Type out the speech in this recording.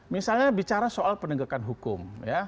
misalnya bicara soal penegakan hukum